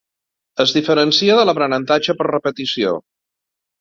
Es diferencia de l'aprenentatge per repetició.